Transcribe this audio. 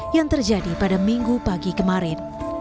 yang terjadi pada minggu pagi kemarin